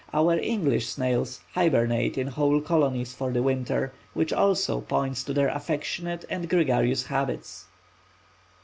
Our English snails hibernate in whole colonies for the winter, which also points to their affectionate and gregarious habits.